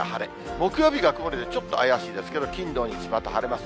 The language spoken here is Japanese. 木曜日が曇りでちょっと怪しいですけど、金、土、日、また晴れます。